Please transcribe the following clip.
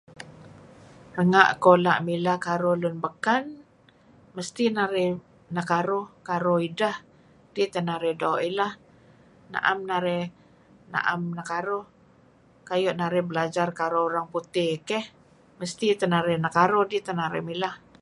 Renga' iko la' mileh karuh lun beken mesti narih nakaruh karuh ideh kidih teh narih doo' ileh , 'am narih na'em nekaruh. Kayu' narih belajar karuh urang putih keh, mesti teh narih nakaruh idih teh narih mileh,